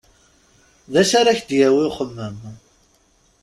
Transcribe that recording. D acu ara k-d-yawi uxemmem?